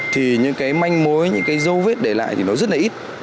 thì những cái manh mối những cái dấu vết để lại thì nó rất là ít